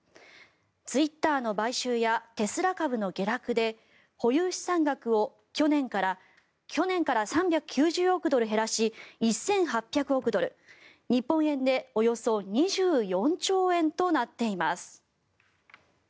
ツイッターの買収やテスラ株の下落で保有資産額を去年から３９０億ドル減らし１８００億ドル日本円でおよそ２４兆円となっています。